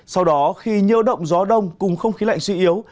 sau đó khi nhiễu động gió đông cùng không khí lạnh suy yếu